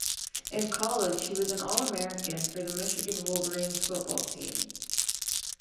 In college, he was an All-American for the Michigan Wolverines football team.